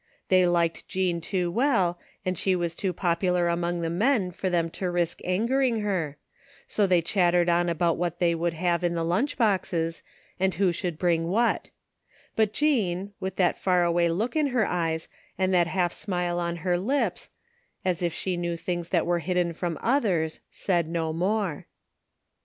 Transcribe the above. They liked Jean too well, and she was too popular among the men for them to risk angering her, so they chattered on about what they would have in the lunch boxes, and who should bring what ; but Jean, with that far away look in her eyes and that half smile on her lips, as if she knew things that were hidden from others, said no more.